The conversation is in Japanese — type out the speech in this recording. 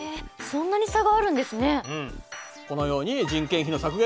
そんなに差があるんですね。